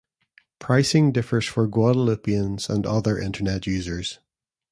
Pricing differs for Guadeloupians and other Internet users.